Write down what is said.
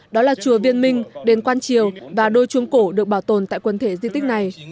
đó là chùa viên minh đền quan triều và đôi chuông cổ được bảo tồn tại quần thể di tích này